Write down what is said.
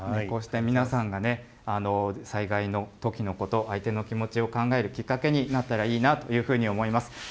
こうしてみなさんがね、災害のときのこと、相手の気持ちを考えるきっかけになったらいいなというふうに思います。